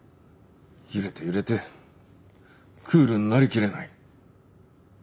揺れて揺れてクールになりきれない。